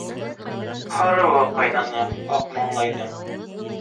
Һарыуы ҡайнаны Аҡмаңлайҙың.